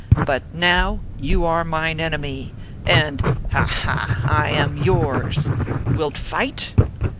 But now you are mine enemy, and ha ! ha ! I am yours. Wilt fight